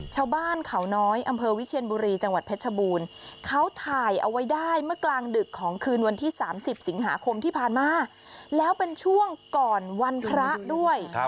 ชาวบ้านเขาน้อยอำเภอวิเชียนบุรีจังหวัดเพชรบูรณ์เขาถ่ายเอาไว้ได้เมื่อกลางดึกของคืนวันที่๓๐สิงหาคมที่ผ่านมาแล้วเป็นช่วงก่อนวันพระด้วย